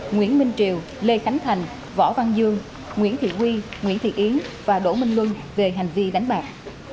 nguyễn minh triều lê khánh thành võ văn dương nguyễn thị quy nguyễn thị yến và đỗ minh luân về hành vi đánh bạc